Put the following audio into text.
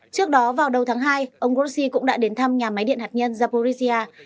trước đó vào đầu tháng hai ông grossi cũng đã đến thăm nhà máy điện hạt nhân zaporizia